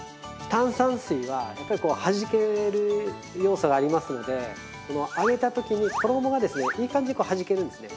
炭酸水は、やっぱりはじける要素がありますので揚げたときに、衣がいい感じにはじけるんですね。